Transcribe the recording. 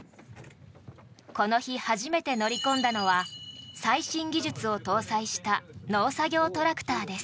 この日、初めて乗り込んだのは最新技術を搭載した農作業トラクターです。